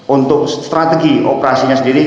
untuk strategi operasinya sendiri